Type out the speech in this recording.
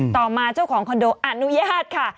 ต่อมาเจ้าของคอนโดอนุญาตค่ะ